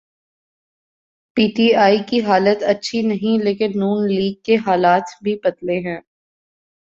P T I کی حالت اچھی نہیں لیکن نون لیگ کے حالات بھی پتلے ہیں۔